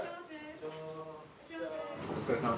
お疲れさん。